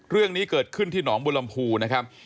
เรื่องนี้เกิดขึ้นที่หนองบุรมภูนะครับ